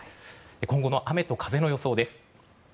今後の雨と風の予想です。